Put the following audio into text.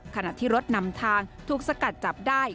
ขณะที่รถนำทางถูกสกัดจับได้